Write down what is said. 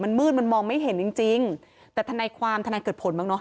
มันมืดมันมองไม่เห็นจริงจริงแต่ทนายความทนายเกิดผลบ้างเนาะ